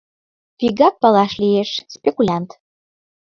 Вигак палаш лиеш: спекулянт.